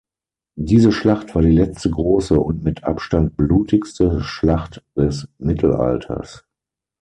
Diese Schlacht war die letzte große und mit Abstand blutigste Schlacht des Mittelalters.